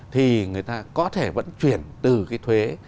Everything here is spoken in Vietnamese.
thì người ta có thể vẫn chuyển từ cái thuế